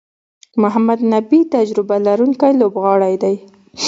محمد نبي تجربه لرونکی لوبغاړی دئ.